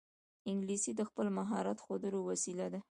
انګلیسي د خپل مهارت ښودلو وسیله ده